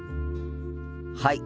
はい。